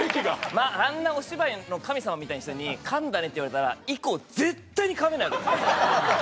あんなお芝居の神様みたいな人に「かんだね」って言われたら、以降、絶対にかめないです！